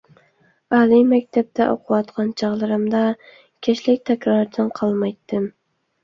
ئالىي مەكتەپتە ئوقۇۋاتقان چاغلىرىمدا، كەچلىك تەكراردىن قالمايتتىم.